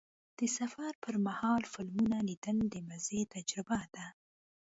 د سفر پر مهال فلمونه لیدل د مزې تجربه ده.